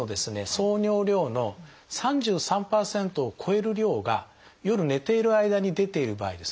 総尿量の３３％を超える量が夜寝ている間に出ている場合ですね